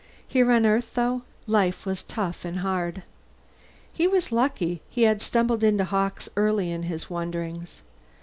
Here on Earth, though, life was tough and hard. He was lucky. He had stumbled into Hawkes early in his wanderings.